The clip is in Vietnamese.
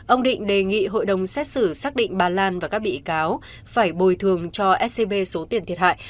ông định đề nghị hội đồng xét xử xác định bà lan và các bị cáo phải bồi thường cho scb số tiền thiệt hại